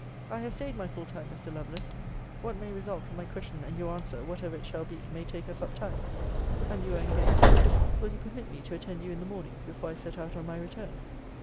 I have staid my full time, Mr. Lovelace. What may result from my question and your answer, whatever it shall be, may take us up time. And you are engaged. Will you permit me to attend you in the morning, before I set out on my return?